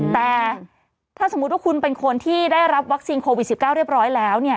แต่ถ้าสมมุติว่าคุณเป็นคนที่ได้รับวัคซีนโควิด๑๙เรียบร้อยแล้วเนี่ย